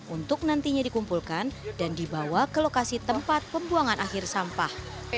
untuk nantinya dikumpulkan dan dibawa ke lokasi tempat pembuangan akhir sampah